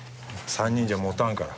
３人じゃ持たんから。